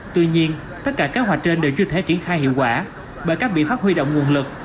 tuy nhiên tất cả kế hoạch trên đều chưa thể triển khai hiệu quả bởi các biện pháp huy động nguồn lực